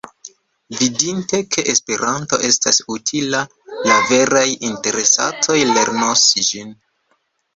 Vidinte, ke Esperanto estas utila, la veraj interesatoj lernos ĝin.